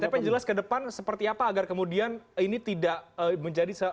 tapi yang jelas ke depan seperti apa agar kemudian ini tidak menjadi